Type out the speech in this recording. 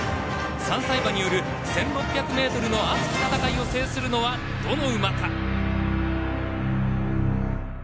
３歳馬による、１６００ｍの熱き戦いを制するのはどの馬か？